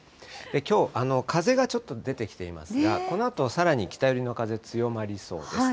きょう、風がちょっと出てきていますが、このあとさらに北寄りの風、強まりそうです。